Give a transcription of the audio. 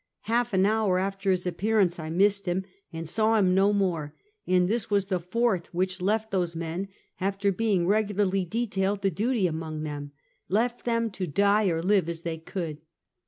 Half an hour after his appearance I missed him, and saw him no more; and this was the fourth which left those men, after being regularly detailed to duty among them — left them to die or live, as they could.